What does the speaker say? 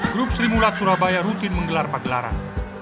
grup sri mulat surabaya rutin menggelar pagelaran